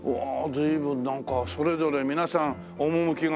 随分なんかそれぞれ皆さん趣が。